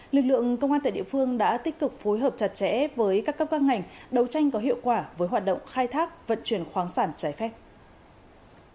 lực lượng công an tại địa phương đã tích cực phối hợp chặt chẽ với các cấp các ngành đấu tranh có hiệu quả với hoạt động khai thác vận chuyển khoáng sản trái phép